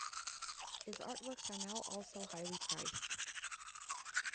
His art works are now also highly priced.